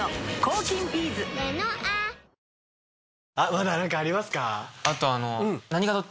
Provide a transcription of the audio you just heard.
まだ何かありますか？